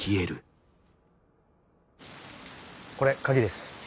これ鍵です。